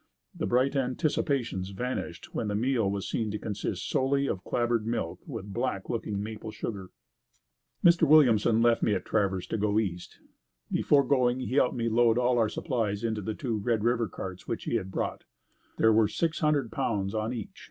The bright anticipations vanished when the meal was seen to consist solely of clabbered milk with black looking maple sugar. Mr. Williamson left me at Traverse to go East. Before going he helped me load all our supplies into the two Red River carts which he had brought. There were six hundred pounds on each.